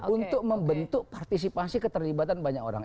untuk membentuk partisipasi keterlibatan banyak orang